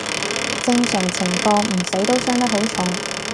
正常情況唔死都傷得好重